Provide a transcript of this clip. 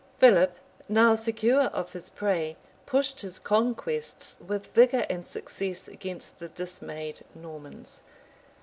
Philip, now secure of his prey, pushed his conquests with vigor and success against the dismayed Normans.